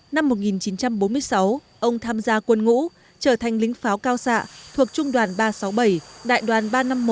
năm một nghìn chín trăm bốn mươi sáu ông tham gia quân ngũ trở thành lính pháo cao xạ thuộc trung đoàn ba trăm sáu mươi bảy đại đoàn ba trăm năm mươi một